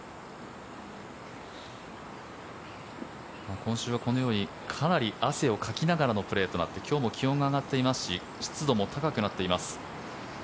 今週はこのようにかなり汗をかきながらのプレーとなって今日も気温が上がっていますし湿度も高くなっています。